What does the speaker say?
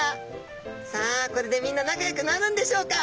さあこれでみんな仲よくなるんでしょうか。